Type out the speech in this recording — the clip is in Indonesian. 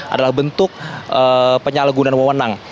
adalah bentuk penyalahgunaan mewenang